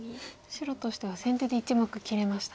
白としては先手で１目切れましたね。